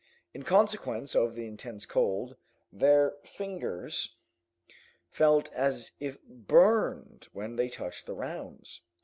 In consequence of the intense cold, their fingers felt as if burned when they touched the rounds.